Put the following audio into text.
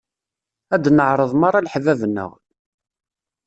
Ad d-neɛreḍ merra leḥbab-nneɣ.